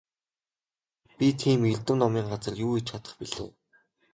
Би тийм эрдэм номын газар юу хийж чадах билээ?